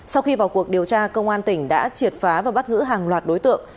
sau khi vào cuộc điều tra công an tỉnh đã triệt phá và bắt giữ hàng loạt đối tượng